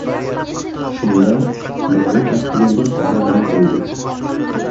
Shunda, birovi kaftiga bir qora nima qo‘ydi.